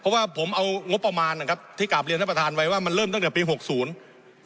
เพราะว่าผมเอางบประมาณนะครับที่กลับเรียนท่านประธานไว้ว่ามันเริ่มตั้งแต่ปีหกศูนย์